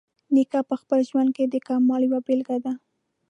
نیکه په خپل ژوند کې د کمال یوه بیلګه ده.